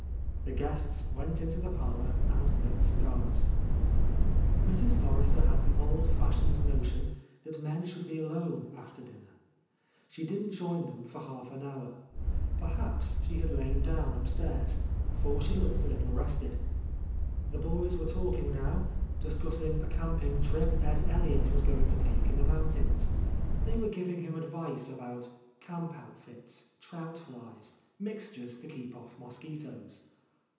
The guests went into the parlour and lit cigars. Mrs. Forrester had the old fashioned notion that men should be alone after dinner. She did not join them for half an hour. Perhaps she had lain down upstairs, for she looked a little ;— t6'> — A Lost Lady rested. The boys were talking now, discussing a camping trip Ed Elliot was going to take in the mountains. They were giving him advice about camp outfits, trout flies, mixtures to keep off mosquitoes.